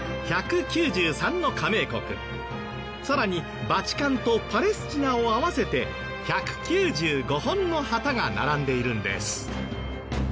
１９３の加盟国さらにバチカンとパレスチナを合わせて１９５本の旗が並んでいるんです。